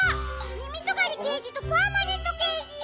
みみとがりけいじとパーマネントけいじ！